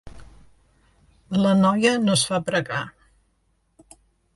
La noia no es fa pregar.